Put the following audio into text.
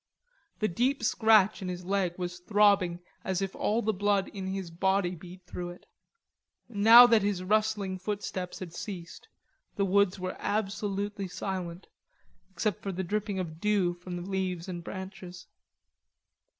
The deep scratch in his leg was throbbing as if all the blood in his body beat through it. Now that his rustling footsteps had ceased, the woods were absolutely silent, except for the dripping of dew from the leaves and branches.